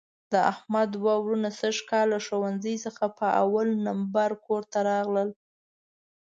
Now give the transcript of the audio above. د احمد دوه وروڼه سږ کال له ښوونځي څخه په اول لمبر کورته راغلل.